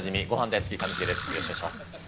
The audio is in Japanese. よろしくお願いします。